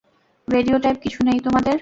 Radio type কিছু নেই তোমাদের?